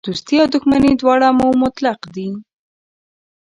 دوستي او دښمني دواړه مو مطلق دي.